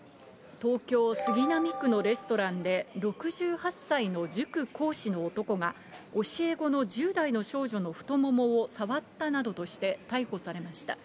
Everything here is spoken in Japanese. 東京・杉並区のレストランで６８歳の塾講師の男が教え子の１０代の少女の太ももを触ったなどとして逮捕されました。